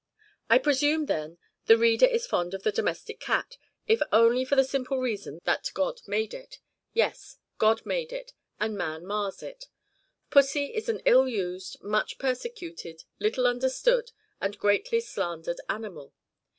I presume, then, the reader is fond of the domestic cat; if only for the simple reason that God made it. Yes; God made it, and man mars it. Pussy is an ill used, much persecuted, little understood, and greatly slandered animal.